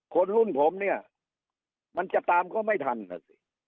คนรุ่นผมเนี่ยมันจะตามเขาไม่ทันนะสิ